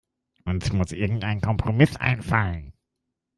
Uns muss irgendein Kompromiss einfallen.